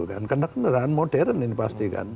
karena kendaraan modern ini pasti kan